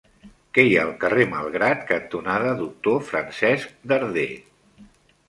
Què hi ha al carrer Malgrat cantonada Doctor Francesc Darder?